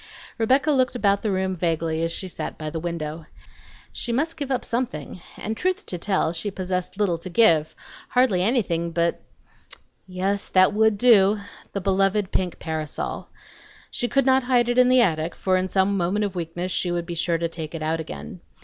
Rebecca looked about the room vaguely as she sat by the window. She must give up something, and truth to tell she possessed little to give, hardly anything but yes, that would do, the beloved pink parasol. She could not hide it in the attic, for in some moment of weakness she would be sure to take it out again.